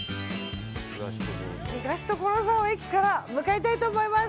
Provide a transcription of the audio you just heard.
東所沢駅から向かいたいと思います。